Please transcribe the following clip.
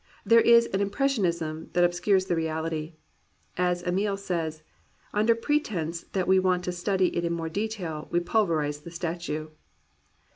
There is an impressionism that obscures the reality. As Amiel says: "Under pretense that we want to study it more in detail, we pulverize the statue."